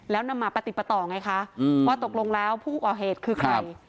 แล้วนำมาปฏิปต่อไงคะว่าตกลงแล้วผู้ก่อเหตุคือใคร